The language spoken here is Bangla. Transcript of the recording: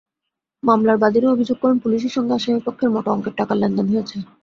মামলার বাদীরা অভিযোগ করেন, পুলিশের সঙ্গে আসামিপক্ষের মোটা অঙ্কের টাকার লেনদেন হয়েছে।